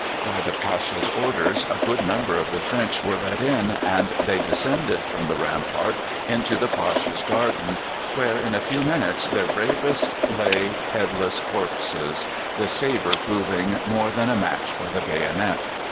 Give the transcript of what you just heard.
By the Pasha's orders a good number of the French were let in, and they descended from the rampart into the Pasha's garden, where in a very few minutes their bravest lay headless corpses, the sabre proving more than a match for the bayonet.